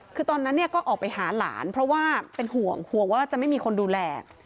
คือตอนนั้นเนี่ยก็ออกไปหาหลานเพราะว่าเป็นห่วงห่วงว่าจะไม่มีคนดูแล